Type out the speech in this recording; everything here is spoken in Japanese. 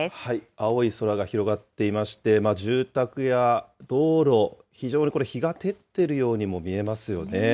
青い空が広がっていまして、住宅や道路、非常にこれ、日が照ってるようにも見えますよね。